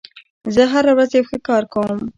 زه هره ورځ یو ښه کار کوم.